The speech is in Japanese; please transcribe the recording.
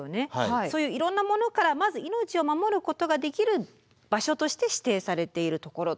そういういろんなものからまず命を守ることができる場所として指定されているところ。